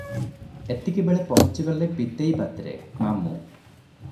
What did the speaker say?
ଏତିକିବେଳେ ପହଞ୍ଚିଗଲେ ପିତେଇ ପାତ୍ରେ, ମାମୁଁ ।